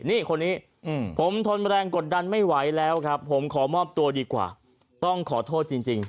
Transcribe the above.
นี่คนนี้ผมทนแรงกดดันไม่ไหวแล้วครับผมขอมอบตัวดีกว่าต้องขอโทษจริง